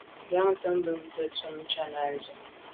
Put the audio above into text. Njantùn bùnte ntshob Tshana ndù.